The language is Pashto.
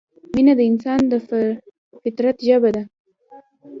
مینه د انسان د فطرت ژبه ده.